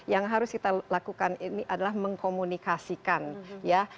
yang harus kita lakukan ini adalah mengkomunikasikan ya